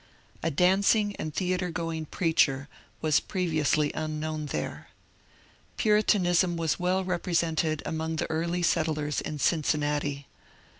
A dancing and theatre going preacher was previously unknown there. Puritanism was well represented among the early settlers in Cincinnati.